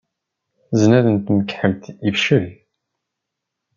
Zznad n tmekḥelt ifcel.